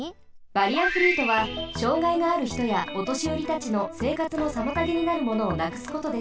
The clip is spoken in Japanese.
バリアフリーとは障害があるひとやおとしよりたちのせいかつのさまたげになるものをなくすことです。